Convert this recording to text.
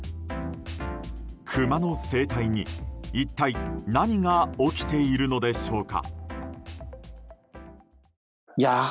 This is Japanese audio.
クマの生態に、一体何が起きているのでしょうか。